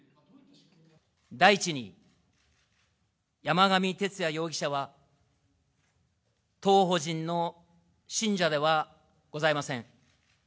第一に山上徹也容疑者は、当法人の信者ではございません。